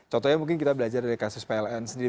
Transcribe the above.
contohnya mungkin kita belajar dari kasus pln sendiri